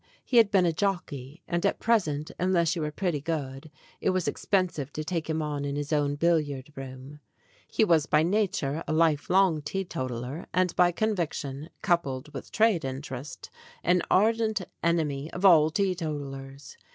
He had been a jockey, and at present, unless you were pretty good, it was expensive to take him on in his own billiard room. He was by nature a lifelong teetotaler, and by conviction, coupled with trade interest, an ardent enemy of all teetotalers.